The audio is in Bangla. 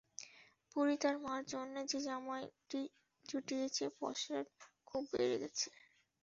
পুরি তাঁর মার জন্যে যে জামাইটি জুটিয়েছেন, পসার খুব বেড়ে গেছে!